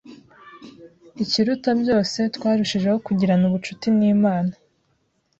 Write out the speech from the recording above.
Ikiruta byose, twarushijeho kugirana ubucuti n’Imana